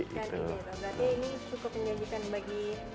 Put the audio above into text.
berarti ini cukup menjanjikan bagi